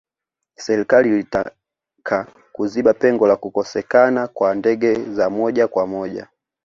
serika ilitaka kuziba pengo la kukosekana kwa ndege za moja kwa moja